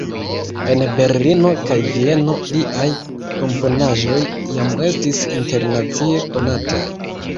En Berlino kaj Vieno liaj komponaĵoj jam estis internacie konataj.